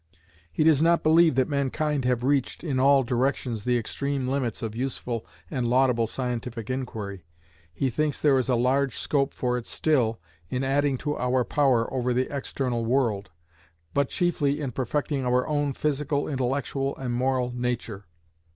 He does not believe that mankind have reached in all directions the extreme limits of useful and laudable scientific inquiry. He thinks there is a large scope for it still, in adding to our power over the external world, but chiefly in perfecting our own physical, intellectual, and moral nature.